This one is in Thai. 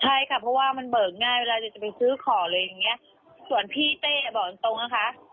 ใช่ค่ะเพราะว่ามันเบิกง่ายเวลาจะไปซื้อของอะไรอย่างเงี้ยส่วนพี่เต้บอกตรงตรงนะคะ